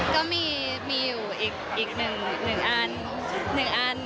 ก็มีอยู่อีกหนึ่งอัน